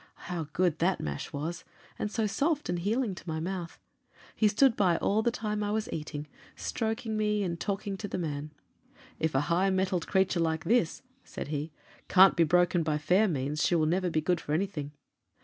How good that mash was! and so soft and healing to my mouth. He stood by all the time I was eating, stroking me and talking to the man. 'If a high mettled creature like this,' said he, 'can't be broken by fair means, she will never be good for anything.'